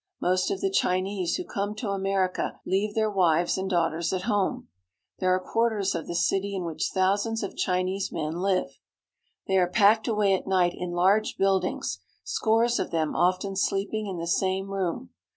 Most of the Chinese who come to America leave their wives and daughters at home. There are quarters of the city in which thousands of Chinese men hve. They are packed Chinese Restaurant — San Francisco. away at night in large buildings, scores of them often sleeping in the same room.